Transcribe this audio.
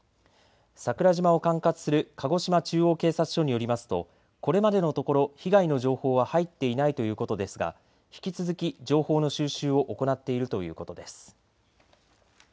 桜島を管轄する鹿児島中央警察署によりますとこれまでのところ被害の情報は入っていないということですが引き続き情報の収集を行っているということです。